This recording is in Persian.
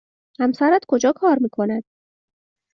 همسرت کجا کار می کند؟